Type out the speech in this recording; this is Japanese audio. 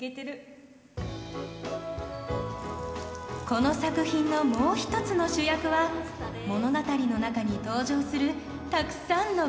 この作品のもう一つの主役は物語の中に登場するたくさんのごはん。